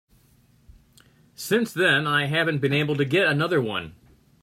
Since then I haven't been able to get another one.